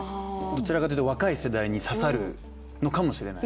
どちらかというと若い世代に刺さるのかもしれない。